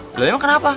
kurang dimakan apa